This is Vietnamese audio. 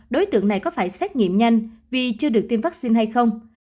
đối tượng này có phải xét nghiệm nhanh vì chưa được tiêm vaccine hay không